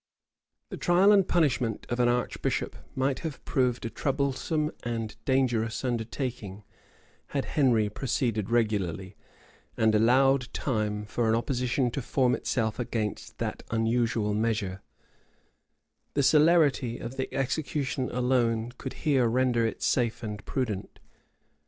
The trial and punishment of an archbishop might have proved a troublesome and dangerous undertaking, had Henry proceeded regularly, and allowed time for an opposition to form itself against that unusual measure: the celerity of the execution alone could here render it safe and prudent.